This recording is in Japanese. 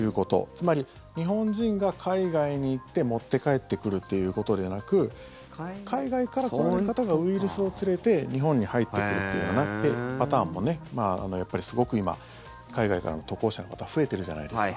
つまり、日本人が海外に行って持って帰ってくるっていうことではなく海外からこういう方がウイルスを連れて日本に入ってくるというようなパターンもやっぱり、すごく今海外からの渡航者の方増えてるじゃないですか。